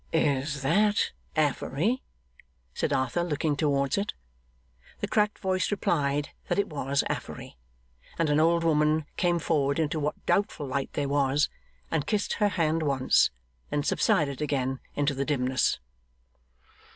'Is that Affery?' said Arthur, looking towards it. The cracked voice replied that it was Affery: and an old woman came forward into what doubtful light there was, and kissed her hand once; then subsided again into the dimness.